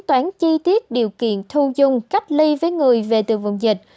tính toán chi tiết điều kiện thu dung cách ly với người về từ vùng dịch